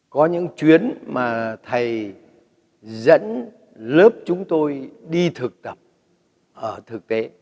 có những chuyến mà thầy dẫn lớp chúng tôi đi thực tập ở thực tế